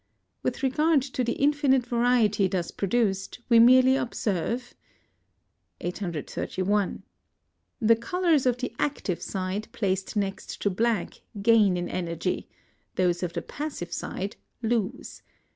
With regard to the infinite variety thus produced, we merely observe: 831. The colours of the active side placed next to black gain in energy, those of the passive side lose.